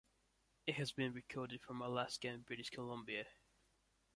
It has been recorded from Alaska and British Columbia.